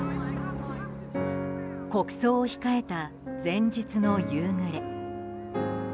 国葬を控えた前日の夕暮れ。